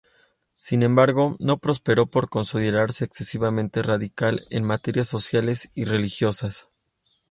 Sin embargo, no prosperó por considerarse excesivamente radical en materias sociales y religiosas.